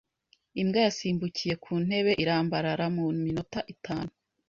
Imbwa yasimbukiye ku ntebe irambarara mu minota itanu.